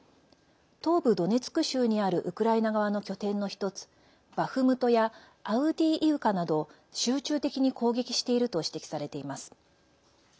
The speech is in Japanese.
東部ドネツク州にあるウクライナ側の拠点の１つバフムトやアウディーイウカなどを集中的に攻撃していると指摘されています。